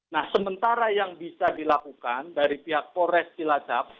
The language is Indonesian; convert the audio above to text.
nah sementara yang bisa dilakukan dari pihak kores silajap